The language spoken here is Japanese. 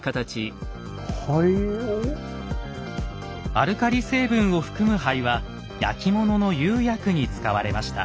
アルカリ成分を含む灰は焼き物の釉薬に使われました。